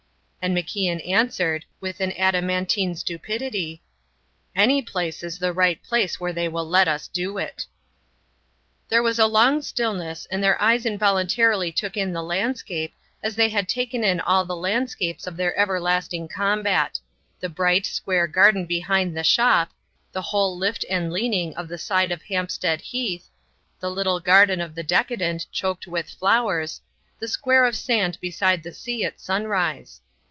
And MacIan answered, with an adamantine stupidity: "Any place is the right place where they will let us do it." There was a long stillness, and their eyes involuntarily took in the landscape, as they had taken in all the landscapes of their everlasting combat; the bright, square garden behind the shop; the whole lift and leaning of the side of Hampstead Heath; the little garden of the decadent choked with flowers; the square of sand beside the sea at sunrise.